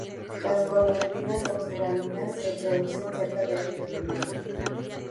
Las golondrinas australianas se reproducen cerca del hábitat humano.